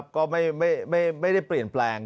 ก็ไม่ได้เปลี่ยนแปลง